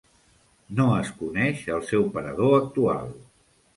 No es coneix el seu parador actual.